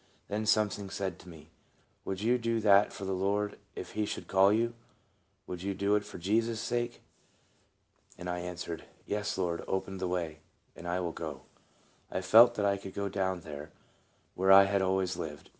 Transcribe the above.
Then something said to me, u Would you do that for the Lord if he should call you? Would you do it for Jesus' sake?" And I answered, "Yes, Lord, open the way, and I will go." I felt that I could go down there where I had always lived.